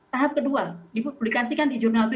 tahap kedua dipublikasikan di jurnal tiga